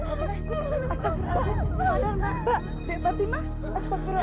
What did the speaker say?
hakbut tujuan hamba gagal mengambil persembahan buat tujuan